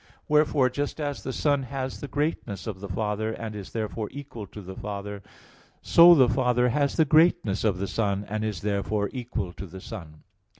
Wherefore, just as the Son has the greatness of the Father, and is therefore equal to the Father, so the Father has the greatness of the Son, and is therefore equal to the Son.